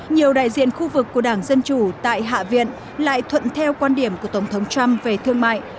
nhiều đại diện khu vực của đảng dân chủ tại hạ viện lại thuận theo quan điểm của tổng thống trump về thương mại